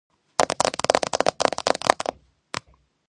ეს მხოლოდ მათი უბედურების დასაწყისი იყო.